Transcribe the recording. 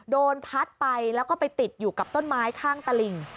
โดนพัดไปแล้วก็ไปติดอยู่กับต้นไม้ข้างตลิ่ง